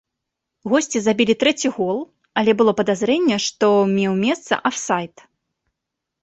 Госці забілі трэці гол, але было падазрэнне, што меў месца афсайд.